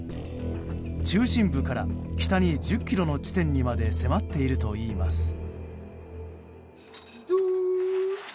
中心部から北に１０ｋｍの地点にまで迫っているといいます。